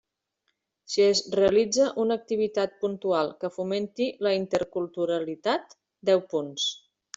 Si es realitza una activitat puntual que fomenti la interculturalitat: deu punts.